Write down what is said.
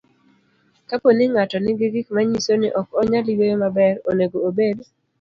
Kapo ni ng'ato nigi gik manyiso ni ok onyal yueyo maber, onego obed